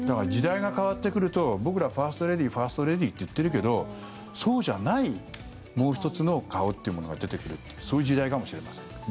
だから時代が変わってくると僕ら、ファーストレディーファーストレディーって言ってるけどそうじゃない、もう１つの顔というものが出てくるというそういう時代かもしれません。